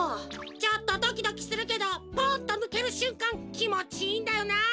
ちょっとドキドキするけどポンッとぬけるしゅんかんきもちいいんだよな！